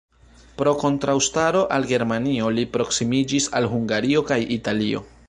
Pro kontraŭstaro al Germanio, li proksimiĝis al Hungario kaj Italio.